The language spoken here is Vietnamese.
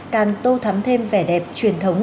càng tô thắm thêm vẻ đẹp truyền thống